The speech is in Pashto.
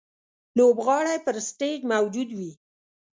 لوبغاړی پر سټېج موجود وي.